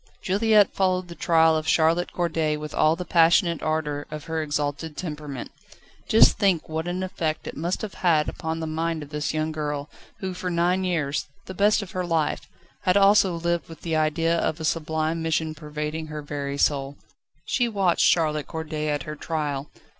Juliette followed the trial of Charlotte Corday with all the passionate ardour of her exalted temperament. Just think what an effect it must have had upon the mind of this young girl, who for nine years the best of her life had also lived with the idea of a sublime mission pervading her very soul. She watched Charlotte Corday at her trial.